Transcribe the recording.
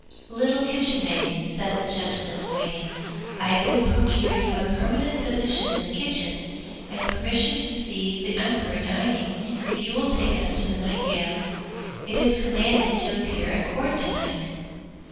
'Little kitchen maid,' said the gentleman in waiting, 'I will procure you a permanent position in the kitchen, and permission to see the emperor dining, if you will take us to the nightingale. It is commanded to appear at court to night.'